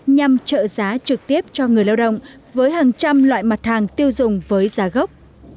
nhằm trợ giá trực tiếp cho người lao động với hàng trăm loại mặt hàng tiêu dùng với giá gốc